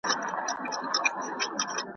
یو ناڅاپه یې زړه ډوب سو حال یې بل سو `